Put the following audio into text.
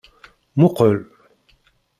Muqel.